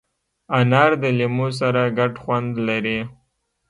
انار د لیمو سره ګډ خوند لري.